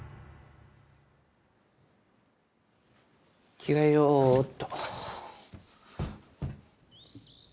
着替えようっと。